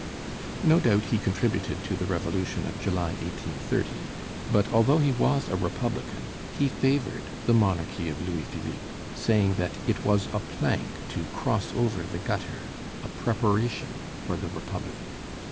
No doubt he contributed to the Revolution of July, 1830; but although he was a republican, he favored the monarchy of Louis Philippe, saying that "it was a plank to cross over the gutter, a preparation for the republic."